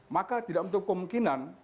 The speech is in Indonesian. maka tidak untuk kemungkinan